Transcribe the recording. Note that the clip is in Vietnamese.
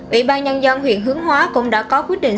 ủy ban nhân dân huyện hướng hóa cũng đã có quyết định